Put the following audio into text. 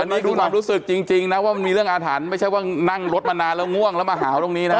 อันนี้คือความรู้สึกจริงนะว่ามันมีเรื่องอาถรรพ์ไม่ใช่ว่านั่งรถมานานแล้วง่วงแล้วมาหาวตรงนี้นะ